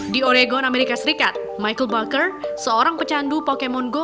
di oregon amerika serikat michael bucker seorang pecandu pokemon go